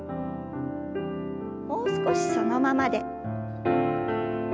もう少しそのままで。